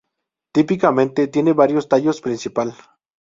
Típicamente tiene varios tallos principal.